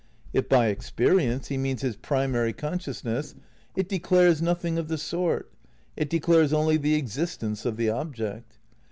If by "experience" he means his primary consciousness, it declares nothing of the sort; it de clares only the existence of the object.